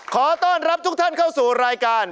ขอต้อนรับทุกท่านเข้าสู่รายการ